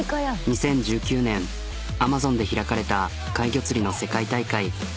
２０１９年アマゾンで開かれた怪魚釣りの世界大会。